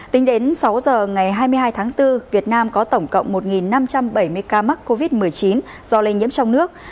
tính đến sáu giờ ngày hai mươi hai tháng bốn việt nam có tổng cộng một năm trăm bảy mươi ca mắc covid một mươi chín do lây nhiễm trong nước